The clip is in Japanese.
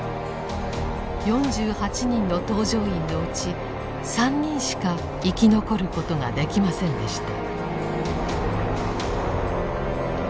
４８人の搭乗員のうち３人しか生き残ることができませんでした。